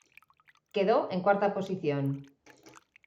Quedó en cuarta posición.